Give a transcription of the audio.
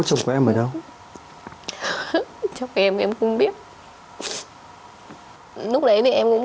có chồng của em ở đâu cho em em không biết lúc đấy thì em cũng